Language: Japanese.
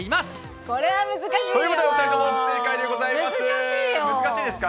これは難しいよ。